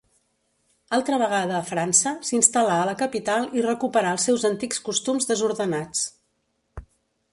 Altra vegada a França, s'instal·là a la capital i recuperà els seus antics costums desordenats.